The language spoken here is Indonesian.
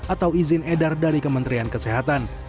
atau izin edar dari kementerian kesehatan